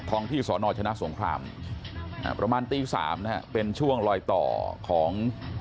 ที่สอนอชนะสงครามประมาณตีสามนะฮะเป็นช่วงลอยต่อของ